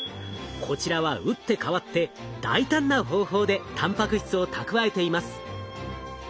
こちらは打って変わって大胆な方法でたんぱく質を蓄えています。